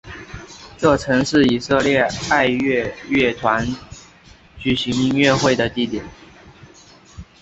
这曾是以色列爱乐乐团举行音乐会的地点。